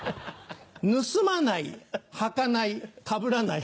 盗まないはかないかぶらない。